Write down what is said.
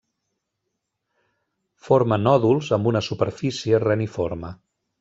Forma nòduls amb una superfície reniforme.